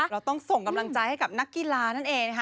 เราต้องส่งกำลังใจให้กับนักกีฬานั่นเองนะคะ